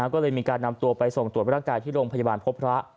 ก็เลยมีการนำตัวไปส่งตรวจร่างกายที่โรงพยาบาลพบพระ